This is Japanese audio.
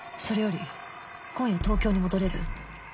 それより今夜東京に戻れる？